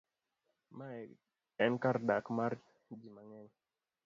Ma enkardak mar ji mang'eny